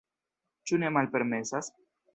Ĉu ne malpermesas?